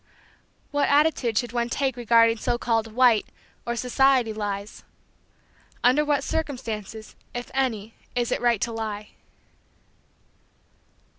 What attitude should one take regarding so called "white" or "society lies"? Under what circumstances, if any, is it right to lie?